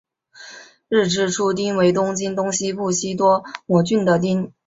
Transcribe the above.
日之出町为东京都西部西多摩郡的町。